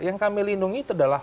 yang kami lindungi itu adalah